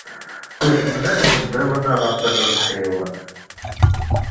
Usmen akk medden ɣef rrbeḥ-iw.